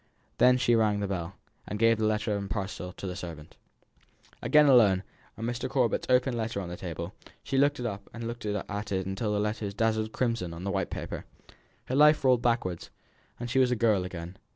Then she rang the bell, and gave the letter and parcel to the servant. Again alone, and Mr. Corbet's open letter on the table. She took it up and looked at it till the letters dazzled crimson on the white paper. Her life rolled backwards, and she was a girl again.